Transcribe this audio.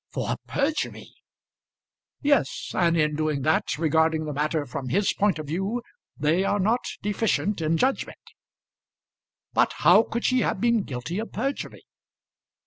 "For perjury!" "Yes; and in doing that, regarding the matter from his point of view, they are not deficient in judgment." "But how could she have been guilty of perjury?"